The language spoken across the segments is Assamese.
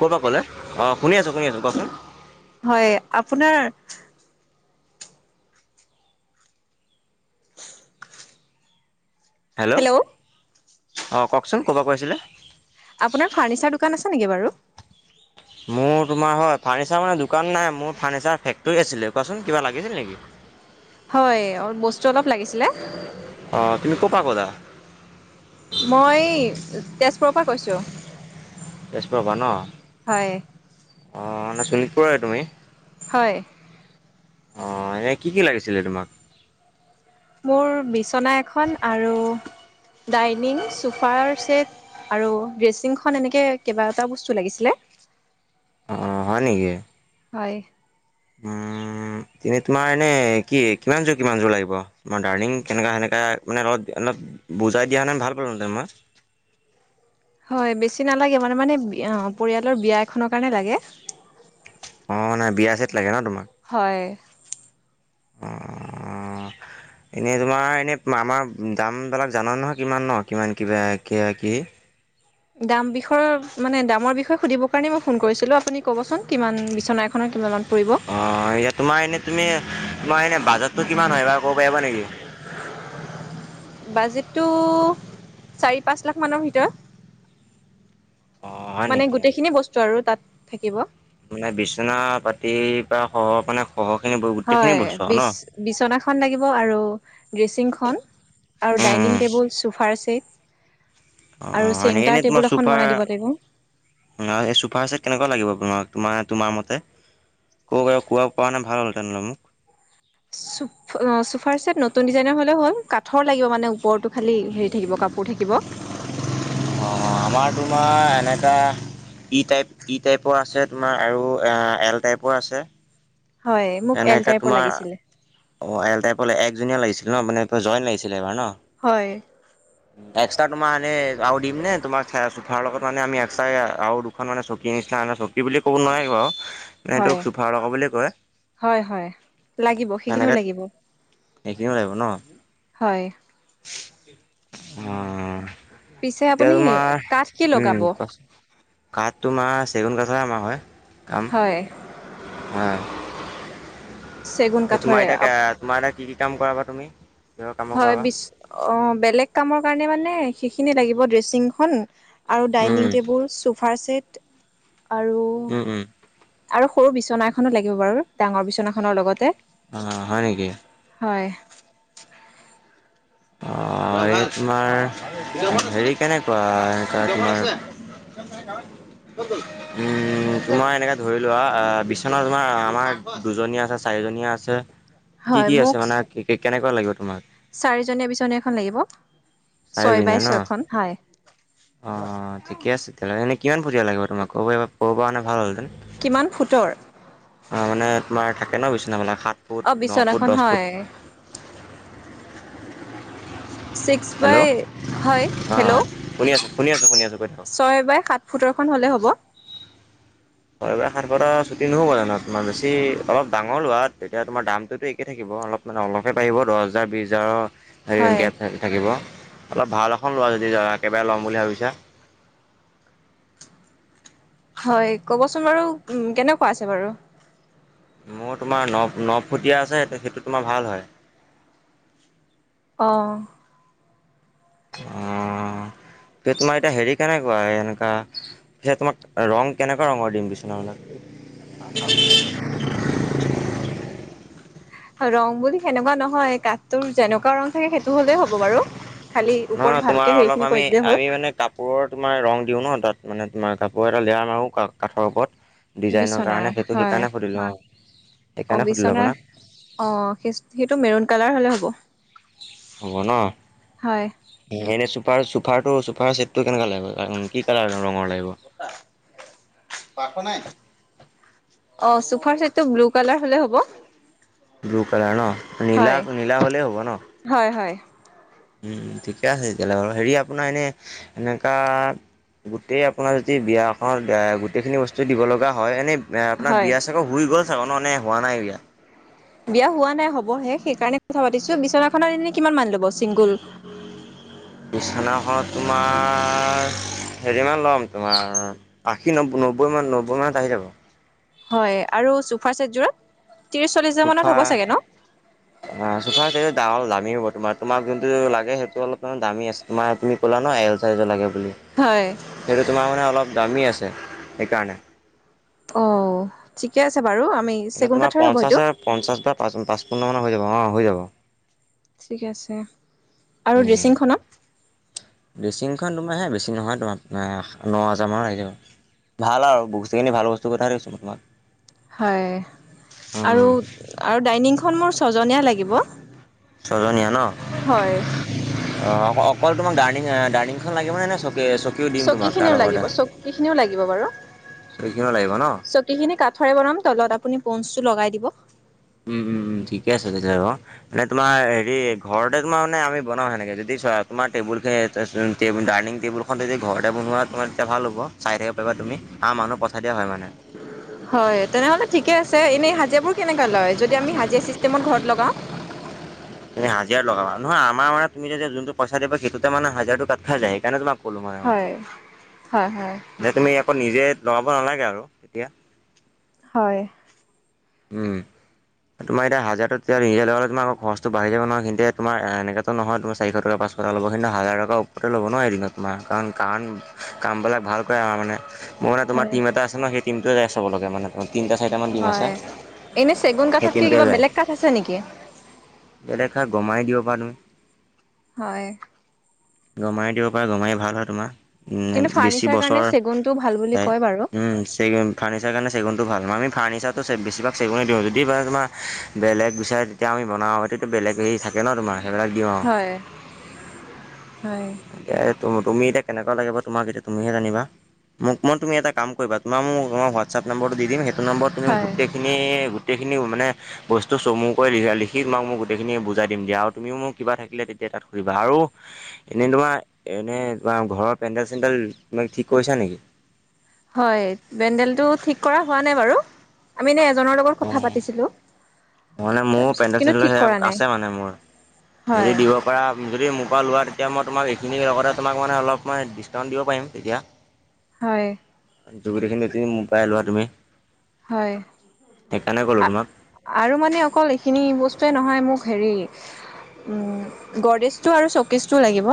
ক'ৰ পৰা ক'লে? অ শুনি আছো শুনি আছো ককচোন। হয় আপোনাৰ হেল্ল' অ কওকচোন ক'ৰ পৰা কৈ আছিলে। আপোনাৰ ফাৰ্নিচাৰ দোকান আছে নেকি বাৰু? মোৰ তোমাৰ হয় ফাৰ্চাৰ মানে দোকান নাই, মোৰ ফাৰ্চাৰ ফেক্টৰী আছিলে। কোৱাচোন কিবা লাগিছিল নেকি? হয় বস্তু অলপ লাগিছিলে। অ তুমি ক'ৰ পৰা ক'লা? মই তেজপুৰৰ পৰা কৈছোঁ। তেজপুৰৰ পৰা ন'? হয়, অ মানে শোণিতপুৰৰে তুমি? হয়। অ এনে কি কি লাগিছিলে তোমাক? মোৰ বিচনা এখন আৰু ডাইনিং, চোফাৰ ছেট, আৰু ড্ৰেচিংখন এনেকে কেবাটাও বস্তু লাগিছিলে। অ হয় নেকি? হয়। উম এনে তোমাৰ এনে কি কিমানযোৰ কিমানযোৰ লাগিব? মানে ডাৰ্নিং কেনেকা কেনেকা মানে অল অলপ বুজাই দিয়া হ'লে ভাল পালোহেতেন মই। হয় বেছি নালাগে মানে মানে, অ পৰিয়ালৰ বিয়া এখনৰ কাৰণে লাগে। অ মানে বিয়া চেট লাগে ন তোমাক? হয়। অ এনেই তোমাৰ এনেই আমাৰ দামবিলাক জানা নহয় কিমান ন কিমান কিবা কি কি দাম বিষয়ৰ মানে দামৰ বিষয়ে সুধিব কাৰণে মই ফোন কৰিছিলো। আপুনি ক'বচোন কিমান বিচন এখন অ ইয়াত তোমাৰ এনে তুমি তোমাৰ এনে বাজাটো কিমান হয় বাৰু ক'ব পাৰিবা নেকি? বাজেটো চাৰি-পাঁচ লাখ মানৰ ভিতৰত। অঁ হয় মানে নেকি গোটেইখিনি বস্তু আৰু তাত থাকিব। মানে বিছনা পাতিৰ পৰা শহৰ মানে শহৰখিনি বৈ গোটেইখিনি হয় বস্তু আৰু বিচ ন? বিচনাখন লাগিব আৰু, ড্ৰেচিং খন, আৰু ডাইনিং টেবুল, চোফাৰ ছেট। অ হয় নে এনে তোমাৰ এখন চুফা বনাই দিব লাগিব আৰু এই ছুফাৰ চেট কেনেকুৱা লাগিব, তোমাক-তোমাৰ-তোমাৰ মতে? ক-কোৱা পৰা নাই ভাল হ'ল তেনেহলে মোক। চু চুফাৰ চেট নতুন ডিজাইনৰ হ'লে হ'ল, কাঠৰ লাগিব মানে ওপৰতটো খালি হেৰি থাকিব কাপোৰ থাকিব। অ আমাৰ তোমাৰ এনেকা ই টাইপ ই টাইপৰ আছে তোমাৰ আৰু এল টাইপৰ আছে। হয় মোক এল এনেকৈ টাইপৰ তোমাৰ লাগিছিলে। অ এল টাইপৰ, একজনিয়াৰ লাগিছিল ন মানে জইন লাগিছিলে এবাৰ ন। হয়। [inaudible] এক্সট্ৰা তোমাৰ আৰু দিম নে? তোমাক লগত মানে আমি এক্সট্ৰা আৰু দুখন মানে চকী নিচিনা বুলি ক'ব নোৱাৰি বাৰু, হয় সেইটো চুফাৰ লগা বুলি কয়। হয় হয় লাগিব, সেইখিনিও লাগিব। এইখিনিও লাগিব ন'? হয়। হম পিছে এতিয়া আপুনি তোমাৰ কাঠ কি লগাব উম কোৱাচো কাঠ তোমাৰ চেগুন কাঠৰে আমাৰ হয় কাম হয় অ চেগুন এ তোমাৰ কাঠৰে এতিয়া তোমাৰ এতিয়া কি কি কাম কৰা বা তুমি কিহৰ কামৰ কৰা হয় বা বি অ বেলেগ কামৰ কাৰণে মানে সেইখিনি লাগিব ড্ৰেচিংখন আৰু উম ডাইনিং টেবুল চোফাৰ ছেট আৰু উম উম আৰু সৰু বিচনা এখনো লাগিব বাৰু ডাঙৰ বিচনাখনৰ লগতে। অ' হয় নেকি? হয়। অ এই তোমাৰ হেৰি কেনে- বা এতিয়া তোমাৰ ক'ত গ'ল উম তোমাৰ এনেকে ধৰি লোৱা আ বিচনা তোমাৰ আমাৰ দুজনীয়া আছে চাৰিজনীয়া আছে কি হয় কি আছে মোক মানে কেনেকোৱা লাগিব তোমাক? চাৰিজনীয়া বিচনী এখন লাগিব ছয় চাৰিদিনীয়া বাই ন ছয়খন হয়। অ ঠিকে আছে তেতিয়াহ'লে এনে কিমান ফুটীয়া লাগিব তোমাক ক'ব ক'ব পাৰিবা কব পৰা হ'লে ভাল হ'লহতেন কিমান ফুটৰ মানে তোমাৰ থাকে ন বিচনাবিলাক সাত ফুট অ' ন ফুট বিচনাখন দহ হয় ফুট ছিক্স হেল্ল' বাই হয়, হেল্ল অ', শুনি আছোঁ শুনি আছোঁ শুনি আছোঁ কৈ থাকক ছয় বাই সাত ফুটৰ এখন হ'লে হ'ব ছয় বা সাত ফুটৰ ছুটি নহ'ব জানো? তোমাৰ বেছি অলপ ডাঙৰ লোৱা তেতিয়া তোমাৰ দামটোতো একেই থাকিব অলপ মানে অলপহে বাঢ়িব দহ হাজাৰ বিশ হাজাৰৰ। হেৰি হয় গেপ থা থাকিব অলপ ভাল এখন লোৱা যদি একেবাৰে ল'ম বুলি ভাবিছা হয় কবচোন বাৰু উম কেনেকোৱা আছে বাৰু। মোৰ তোমাৰ ন ন ফুটীয়া আছে সেইটো তোমাৰ ভাল হয় অ' অ তে তোমাৰ এতিয়া হেৰি কেনেকোৱা এনেকা সেয়া তোমাক ৰং কেনেকোৱা ৰঙৰ দিম বিচনা আপোনাক অ ৰং বুলি সেনেকোৱা নহয় কাঠটোৰ যেনেকোৱা ৰং থাকে সেইটো হ'লেই হ'ব বাৰু, খালি ওপৰত ভালকে হেৰি খিনি কৰি দিলেই হ'ল। একে মানে কাপ কাপোৰৰ তোমাৰ ৰং দিওঁ ন' তাত মানে তোমাৰ কাপোৰৰ এটা লেয়াৰ মাৰো কাঠৰ ওপৰত। ডিজাইনৰ বিচনাৰ কাৰণে সেইটো হয় সেইকাৰণে শুধিলো আৰু অ সেইকাৰণে সুধিলো বিচনাৰ আপোনাক অ' সেইটো মেৰুন কালাৰ হলে হ'ব। হ'ব ন। হয়। এনেই এনেই চুফাৰ চুফাৰটো চুফাৰ চেটটো কেনেকা লাগিব কি কালাৰ ৰঙৰ লাগিব পাৰ্থ নাই অ চোফাৰ চেটটো ব্লু কালাৰ হলে হ'ব ব্লু কালাৰ ন নীলা হয় নীলা হ'লেই হ'ব ন হয় হয়। ঠিকে আছে তেতিয়াহলে বাৰু হেৰি আপোনাৰ এনেই এনেকোৱা- গোটেই আপোনাৰ যদি বিয়া এখনত গোটেইখিনি বস্তু দিব লগা হয় এনেই আপোনাৰ হয় বিয়া চাগই হুই গ'ল চাগে নে হোৱা নাই বিয়া? বিয়া হোৱা নাই হবহে সেইকাৰণে কথা পাতিছো বিছনাখনৰ এনে কিমান মান লব চিংগুল? বিছনাখনত তোমাৰ হেৰি মান ল'ম তোমাৰ আশী নব নব্বৈ মান নব্বৈ মানত আহি যাব। [unintelligible] হয় আৰু চুফাৰ চেটযোৰত? [unintelligible] চল্লিশ হাজাৰ মানত চুফা হ'ব চাগে ন [unintelligible] [unintelligible] চুফাৰ ছেট [unintelligible] দামী হ'ব তোমাৰ তোমাক যোনটো লাগে সেইটো অলপ দামী আছে। তোমাৰ তুমি কলা নহয় এল চাইজৰ লাগে বুলি। হয় সেইটো তোমাৰ মানে অলপ দামী আছে সেইকাৰণে। [unintelligible] অ' ঠিকে আছে বাৰু আমি [inaudible] মানে চেগুন তোমাৰ কাঠৰে হ'ব এইটো? পঞ্চাছৰ পঞ্চাছ বা পাঁচ-পাঁচ পোন্ধৰ মানৰ হৈ যাব অঁ হৈ যাব। [unintelligible] ঠিক আছে [inaudible] আৰু ড্ৰেচিংখনত? ড্ৰেচিংখন তোমাৰহে বেছি নহয় তোমাৰ [unintelligible] ন হাজাৰমানত আহি যাব। ভাল আৰু বস্তুখিনি ভাল বস্তু পথাই থৈছোঁ [unintelligible] হয় উম, আৰু-আৰু ডাইনিংখন মোৰ ছজনীয়া লাগিব। [unintelligible] ছয়জনীয়া ন? [inaudible] হয়। [unintelligible] [unintelligible] অ-অ অকল তোমাক ডাইনিং-ডাইনিংখন লাগিব নে-নে চকী চকীও দিম তোমাক তাৰ চকীখিনিও লাগিব। লগতে চকীখিনিও লাগিব বাৰু। চকীখনো লাগিব ন চকী [unintelligible] গোটেইখিনি কাঠৰে বনাম তলত আপুনি পনচটো লগাই দিব। [unintelligible] উম-উম-উম, ঠিকে আছে তেতিয়াহলে বাৰু। [unintelligible] মানে তোমাৰ হেৰি ঘৰতে তোমাৰ মানে আমি বনাও সেনেকে যদি চোৱা তোমাৰ টেবুল ফে [unintelligible] [unintelligible] ডাইনিং টেবুলখন যদি ঘৰতে বনোৱা তেতিয়া ভাল হ'ব চাই থাকিব পাৰিবা তুমি আৰু মানুহ [unintelligible] [unintelligible] দিয়া হয় মানে [unintelligible] হয়। তেনেহ'লে ঠিকে আছে এনেই হাজিৰাবোৰ কেনেকে লয় যদি আমি হাজিৰা চিচতেমত ঘৰত লগাওঁ? [unintelligible] তুমি হাজিৰা লগাবা? নহয় আমাৰ তুমি যে যোনটো পইচা দিবা সেইটোতে মানে হাজাৰটো কাট খাই যায়। সেইকাৰণে তোমাক [unintelligible] হয়, [inaudible] হয়-হয়! যে তুমি আকৌ নিজে লগাব নালাগে আৰু। [unintelligible] তেতিয়া [unintelligible] হয়। [inaudible] উম। [inaudible] তোমাৰ এতিয়া হাজিৰাটো এতিয়াটো নিজে লগালে তোমাৰ আকৌ খৰচতো বাহি যাব নহয়। সিহঁতে তোমাৰ এনেকাটো নহয় তোমাৰ চাৰিশ টকা, পাচশ টকা [unintelligible] [unintelligible] ল'ব সিহঁতেনো হাজাৰ টকাৰ ওপৰতে ল'ব নোৱাৰ এইদিনত তোমাৰ কাৰণ-কাৰণ কামবিলাক ভালকৈ আমাৰ মানে [unintelligible] মই মানে তোমাৰ হয় টিম এটা আছে ন সেই টিমটো যাই চবলৈকে মানে তিনিটা-চাৰিটামান টিম আছে। [unintelligible] এনেই চেগুন সেই কাঠতকে টিমটোৱে কিবা যায় বেলেগ কাঠ আছে নেকি? [unintelligible] বেলেগ কাঠ গমাই দিব পাৰা তুমি। [unintelligible] [unintelligible] হয়! [unintelligible] গমাৰি দিব পাৰা, গমাৰি ভাল হয় তোমাৰ। [unintelligible] [unintelligible] উম কিন্তু বেছি ফাৰ্ণিচাৰ কাৰণে বছৰ চেগুনটো ভাল বুলি যায় কয় বাৰু [unintelligible] উম! চেগুন। ফাৰ্নিচাৰৰ কাৰণে চেগুনটো ভাল। আমি ফাৰ্নিচাৰটো বেছিভাগ [unintelligible] চেগুনেই দিওঁ যদি বা তোমাৰ বেলেগ বিচাৰে তেতিয়া আমি বনাওঁ সেইটো বেলেগ হেৰি থাক [unintelligible] থাকে ন তোমাৰ সেইবিলাক দিওঁ আৰু হয় হয় [unintelligible] এ তুমি এতিয়া কেনেকোৱা লাগিব তোমাক এতিয়া তুমিহে জানিবা। [unintelligible] মোক মই তুমি এটা কৰিবা তোমাৰ মোৰ হোৱাটছএপৰ নম্বৰটো দিম। সেইটো নম্বৰত তুমি হয়। গোটেই [unintelligible] খিনি গোটেইখিনি মানে [unintelligible] বস্তু চমুকৈ [unintelligible] লিখি তোমাক মই গোটেইখিনি বুজাই দিম দিয়া আৰু তুমিও মোক কিবা থাকিলে তেতিয়া তাত সুধিবা। আৰু এনেই তোমাৰ এনেই বা ঘৰৰ পেণ্ডেল-চেন্দেল ঠিক কৰিছা নেকি? [unintelligible] হয়, পেণ্ডেলটো ঠিক কৰা হোৱা নাই বাৰু। আমি এনেই [unintelligible] [unintelligible] জনৰ লগত কথা অ' পাতিছিলোঁ। মানে মোৰ পেণ্টেল-চেটেল সে আছে মানে মোৰ। যদি হয় দিব পৰা যদি মোৰ পৰা লোৱ এতিয়া মই তোমাক এইখিনিৰ লগতে তোমাক মানে অলপ মই ডিছকাউণ্ট দিব পাৰিম তেতিয়া। হয়। জুুবুলি খিনি মকাই লোৱা তুমি হয় সেইকাৰণে কলো তোমাক। আৰু মানে অকল এইখিনি বস্তুৱয়ে নহয় মোক হেৰি গডেজটো আৰু চকেজটো লাগি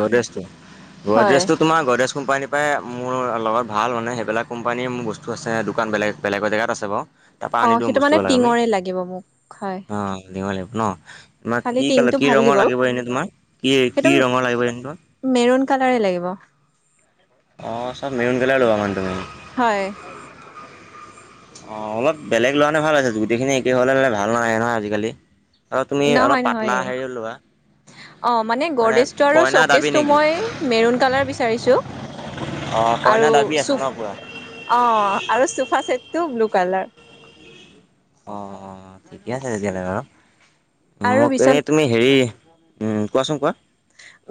গদ্ৰেজটো, হয় গদ্ৰেজ তোমাৰ গডেজ কোম্পানীৰ পৰাই মোৰ লগত ভাল মানে সেইবিলাক কোম্পানীয়ে মোৰ বস্তু আছে দোকান বেলেগ বেলেগ বেলেগ জেগাত আছে বাৰু। তাৰপৰা অ আনি দিওঁ সেইটো মানে বস্তুবিলাক আমি। টিঙৰে লাগিব মোক হয় অ আনিব লাগিব ন। তোমাক খালি কি কালাৰ টিংটো কি ভাল দিব ৰঙৰ আৰু লাগিব এনেই তোমাক? কি সেইটো কি ৰঙৰ লাগিব এনে তোমাক? মেৰুন কালাৰে লাগিব। অ চব মেহন কালাৰেই ল'বা মানে তুমি। হয়। অ অলপ বেলেগ লোৱা হ'লে ভাল আছে গুতেইখিনি এককে হ'লে মানে ভাল নাহে নহয় আজিকালি। আৰু তুমি অলপ নহয় পাতলা নহয় হেৰি লোৱা অ মানে গদ্ৰেজটো আৰু কইনা দাবী চকেজটো নেকি মই মেৰুণ কালাৰ বিচাৰিছোঁ অ কইনা আৰু দাবী আছে ন চুক পুৰা অ আৰু চোফা চেটটো ব্লু কালাৰ। অ ঠিকে আছে তেতিয়াহ'লে বাৰু। আৰু মোক এনে বিচনা তুমি হেৰি কোৱাচোন কোৱা।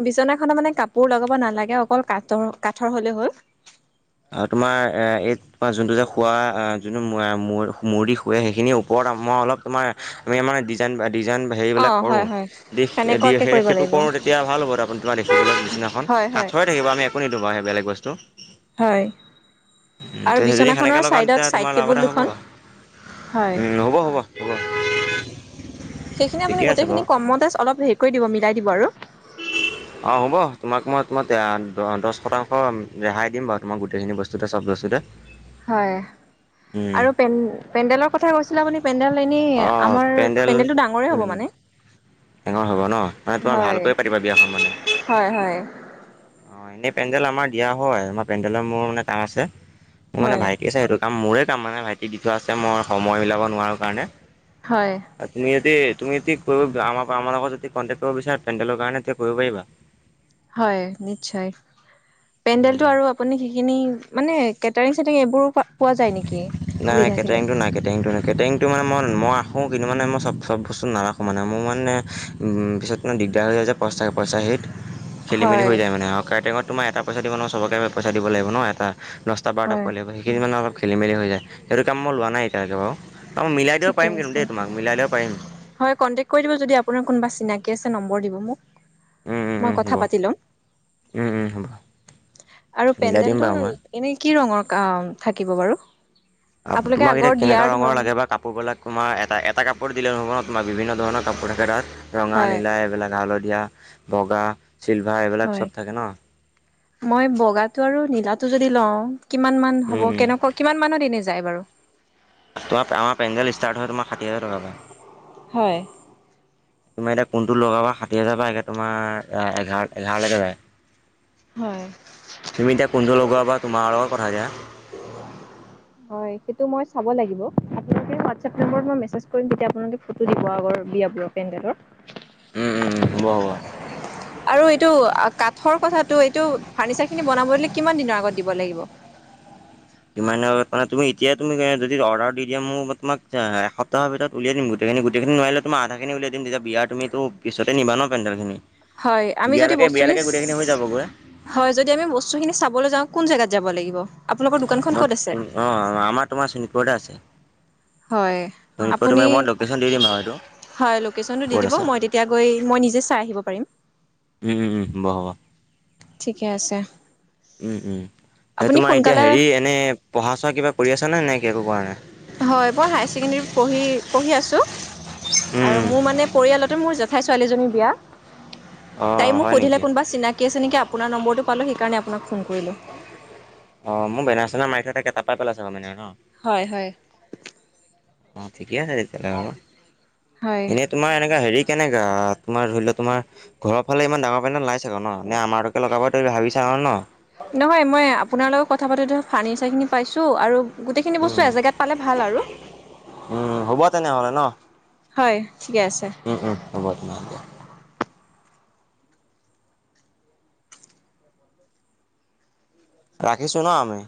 বিচনাখনত মানে কাপোৰ লগাব নালাগে অকল কাঠৰ কাঠৰ হ'লে হ'ল। আৰু তোমাৰ এইট যোনটো যে শুৱা যোনটো মুৰ্দি শুৱে সেইখিনিৰ ওপৰত অ মই অলপ তোমাৰ আমি মানে ডিজাইন-ডিজাইন হেৰিবিলাক অ', কৰো, হয়, হয়, দি দি সেনেকুৱাকে কৰিব সে-সেইটো লাগিব কৰোঁ তেতিয়া ভাল হ'ব তাৰপা আপুনি তোমাৰ দেখিবলৈ বিছনা খন, হয়, হয়। কাঠৰে থাকিব আমি একো নিদো বেলেগ বস্ত। হয় আৰু তেতিয়া যদি সেনেকৈ বিছনাখনৰ ছাইডত ছাইড টেবুল দুখন। হয়। উম হ'ব-হ'ব-হ'ব। সেইখিনি আপুনি গোটেইখিনি কমতে অলপ হেৰি কৰি দিব মিলাই দিব আৰু। [unintelligible] অ হ'ব তোমাক মই তোমাক দছ শতাংশ ৰেহাই দিম বাৰু তোমাক গোটেইখিনি বস্তুতে, চব বস্তুতে। হয় উম, আৰু পেন-পেণ্ডেলৰ কথা কৈছিলে আপুনি পেণ্ডেল এনে অঁ আমাৰ পেণ্ডেল পেণ্ডেলটো ডাঙৰে হ'ব মানে। ডাঙৰ হ'ব ন? মানে তোমাৰ হয়, ভাল কয়ে পাতিবা বিয়াখন মানে? হয় হয়। অ এনেই পেণ্ডেল আমাৰ দিয়া হয়, আমাৰ পেণ্ডেলৰ মোৰ মানে কাম আছে, মোৰ মানে হয়, ভাইটি চায় হেইটো মোৰে কামমানে ভাইটি দি থোৱা আছে মই সময় মিলাব নোৱাৰো কাৰণে। হয়। আপনি যদি তুমি যদি তুমি ক আমাৰ আমাৰ লগত যদি কণ্টেক কৰিব বিচাৰা পেণ্ডেলৰ কাৰণে তেতি কৰিব পাৰিবা। হয় নিশ্চয়। পেণ্ডেলটো উম। আৰু আপুনি খিনি মানে কেটাৰিং-চেটাৰিং এইবোৰো পোৱা যায় নেকি? সুবিধা খিনি? টেংকটো এনেকৈ টেংকটো মানে মই মই ৰাখোঁ কিন্তু মানে মই চব চব বস্তু নাৰাখোঁ মানে, মোৰ মানে পিছত দিগদাৰ হৈ যায় যে পচা-পইচাৰ হেৰিত। খেলি-মেলি হয় হৈ যায় মানে। আৰু কেটাৰিং তোমাৰ এটা পইচা দিব নাও চবকে পইচা দিব লাগিব ন এটা। দহটা-বাৰটা হয় পোৱালী লাগিব, সেইখিনি মানে অলপ খেল-মেলি হৈ যায়। সেইটো কাম মই লোৱা নাই এতিয়া লৈকে বাৰু। অ মিলাই দিব ঠিকে পাৰিম কিন্তু আছে দে তোমাক, মিলাই দিব পাৰিম। হয় কণ্টেক্ট কৰি দিব যদি আপোনাৰ কোনোবা চিনাকি আছে নম্বৰ দিব মোক মই কথা পাতি ল'ম। উ, উ, হব। আৰু মিলাই দিম বাৰু পেণ্ডেলটোৰ মই এনে কি ৰঙৰ থাকিব বাৰু? আপোনালোকে তোমাক আগৰ এতিয়া কেনেকা দিয়াৰ ৰংৰ ধৰণ লাগে বা কাপোৰ বিলাক তোমাৰ এটা এটা কাপোৰ দিলে নহব ন? বা বিভিন্ন ধৰণৰ কাপোৰ থাকে তাত ৰঙা হয় নীলা এইবিলাক হালধীয়া বগা চিলভাৰ এইবিলাক বিলাক হয় চব থাকে ন? মই বগাটো আৰু নীলাটো যদি লওঁ কিমান মান হ'ব উম উম কেনেকুৱা কিমান মানত এনে যায় বাৰু? তোমা আমা পেণ্ডেল ষ্টাৰ্ট হয় তোমাৰ ষাঠি হাজাৰ টাক পাই। হয় তোমাৰ এতিয়া কোনটো লগ পাবা ষাঠি হাজাৰ পৰা এতিয়া তোমাৰ এঘাৰ এঘাৰলৈকে যায়। হয়। তুমি এতিয়া কোনটো লগোৱা বা তোমাৰ লগত কথা এতিয়া হয় সেইটো মই চাব লাগিব আপোনালোকে হোৱাটছ আপ নম্বৰত মই মেজ কৰিম তেতিয়া আপোনালোকে, ফটো দিব আগৰ বিয়া পেণ্ডডৰ। উ, উ, উ, হ'ব হ'ব। আৰু এইটো কাঠৰ কথাটো এইটো ফাৰ্নিচাৰ খিনি বনাব কিমান দিনৰ আগত দিব লাগিব কিমান মানে তুমি এতিয়া তুমি যদি অৰ্ডাৰ দি দিয়া মোৰ তোমাক এ তা ভিতৰত উলিয়াই দিম গোটেইখিনি গোটেইখিনি নোৱাৰিলে তোমা আধাখিনি উলিয়াই দিম তেতিয়া তুমি তো পিছতেই নিবা ন পেণ্ডেলখিনি! হয় আমি যদি বিয়ালৈকে বস্তুখিনি বিয়ালৈকে গোটেই খিনি হৈ যাব গৈ। হয় যদি, আমি বস্তুখিনি চাবলৈ যাওঁ কোন জেগাত যাব লাগিব আপোনালোকৰ দোকানখন মই ক'ত আছে! অঁ আমাক, তোমাৰ চোণপুৰতে আছে হয় আপুনি তুমাক মই লোকেশ্যন দিম আৰু এইটো হয়, লোকেশচনটো দি ক'ত দিব আছে মই তেতিয়া গৈ মই নিজে চাই আহিব পাৰিম। উ, উ, হ'ব হ'ব। ঠিকে আছে। উম উম সেই আপুনি তোমাৰ এতিয়া সোনকালে হেৰি এনেই পঢ়া সহা কিবা কৰি আছানে নে একো কৰা নাই। হয় মই হায়াৰ ছেকেণ্ডেৰী পঢ়ি পঢ়ি আছো। উম আৰু উম। মোৰ মানে পৰিয়ালতে মোৰ জেঠাই ছোৱালীজনীৰ অ বিয়া তাই মোক হয় সুধিলে নেকি কোনবা চিনাকি আছে নেকি আপোনাৰ নম্বৰটো পালো সেই কাৰণে আপোন ফোন কৰিলো অ মোৰ বেনাচেনা মাৰি থ তাকে তাপাই পেলাই চাগ মানে ন হয় হয় অ ঠিকে আছে তেতিয়াহলে হ হয়। এনেই তোমাৰ এনেকা হেৰি কেনেকা তোমাৰ ধৰি লোৱা তোমাৰ ঘৰৰ ফালে ইমান ডাঙৰ পণ্ট নাই চাগ নে আমাৰোকে লগাব ত ভাবিছা ন নহয় মই আপোনাৰ লগত কথা পাতোতে ফাৰ্ণিচাৰখিনি পাইছোঁ আৰু গোটেইখিনি বস্তু এজেগাত পালে ভাল আৰু উম হ'ব তেনেহ'লে ন হয় ঠিকে আছে উম উম হব দিয়া ৰাখিছোঁ ন আমি